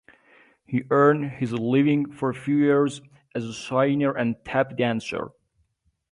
He earned his living for a few years as a singer and tap dancer.